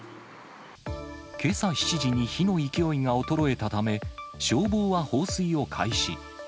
けさ７時に火の勢いが衰えたため、消防は放水を開始。